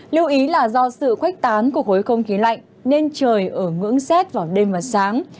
lưu ý là do sự khuếch tán của khối không khí lạnh nên trời ở ngưỡng rét vào đêm và sáng